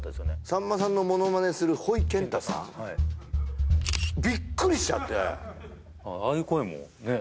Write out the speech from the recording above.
さんまさんのモノマネするほいけんたさんはいビックリしちゃってああいう声もねえ